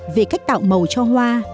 về cách tạo màu cho hoa